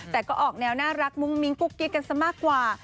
แต่ก็ออกแนวน่ารักมุ้งมิ้งกุ๊กกิ๊กกันซะมากกว่า